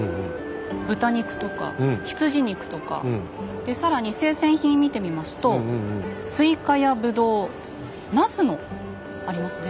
豚肉とか羊肉とかで更に生鮮品見てみますとスイカやブドウナスもありますね。